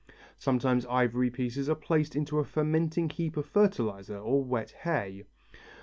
Sometimes ivory pieces are placed in a fermenting heap of fertilizer or wet hay.